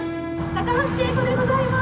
高橋佳子でございます。